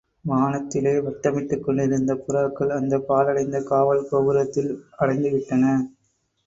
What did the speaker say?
வானத்திலே வட்டமிட்டுக் கொண்டிருந்த புறாக்கள் அந்தப் பாழடைந்த காவல் கோபுரத்தில் அடைந்து விட்டன.